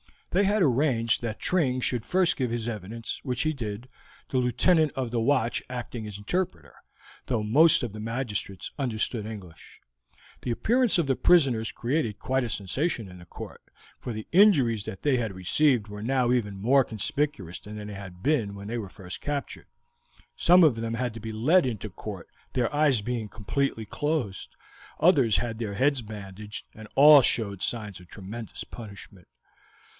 They had arranged that Tring should first give his evidence, which he did, the Lieutenant of the watch acting as interpreter, though most of the magistrates understood English. The appearance of the prisoners created quite a sensation in the court, for the injuries that they had received were now even more conspicuous than they had been when they were first captured; some of them had to be led into court, their eyes being completely closed, others had their heads bandaged, and all showed signs of tremendous punishment.